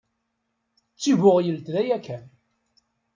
D tibbuɣyelt daya kan.